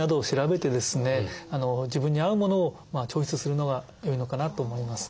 自分に合うものをチョイスするのが良いのかなと思います。